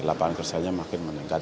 lapangan kerjanya makin meningkat